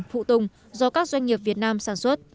phụ tùng do các doanh nghiệp việt nam sản xuất